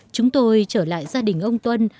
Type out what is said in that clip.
chúng tôi trở lại gia đình ông tuân